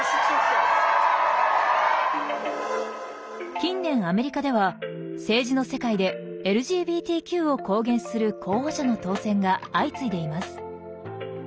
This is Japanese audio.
近年アメリカでは政治の世界でＬＧＢＴＱを公言する候補者の当選が相次いでいます。